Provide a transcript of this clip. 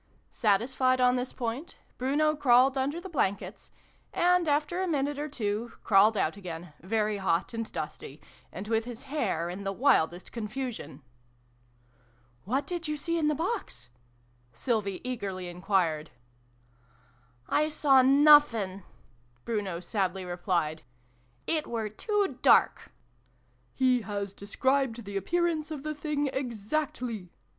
Satisfied on this point, Bruno crawled .under the blankets, and, after a minute or two, crawled out again, very hot and dusty, and with his hair in the wildest confusion. " What did you see in the box ?" Sylvie eagerly enquired. "I saw nuffinf" Bruno sadly replied. "It were too dark !"" He has described the appearance of the thing exactly